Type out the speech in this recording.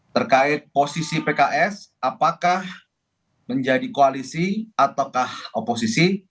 terkait posisi pks apakah menjadi koalisi ataukah oposisi